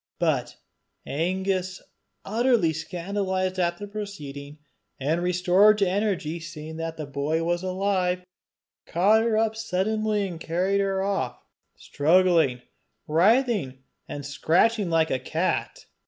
But Angus, utterly scandalized at the proceeding, and restored to energy by seeing that the boy was alive, caught her up suddenly and carried her off struggling, writhing, and scratching like a cat.